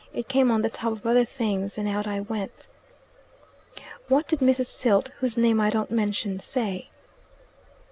It came on the top of other things and out I went." "What did Mrs. Silt, whose name I don't mention, say?"